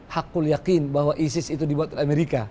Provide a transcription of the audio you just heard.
hakul yakin bahwa isis itu dibuat oleh amerika